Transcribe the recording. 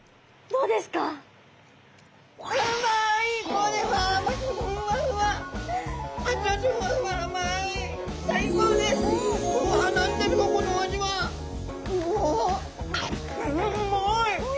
うまい！